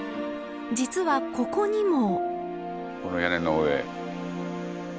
実はここにも。